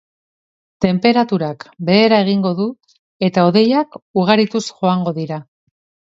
Tenperaturak behera egingo du eta hodeiak ugarituz joango dira.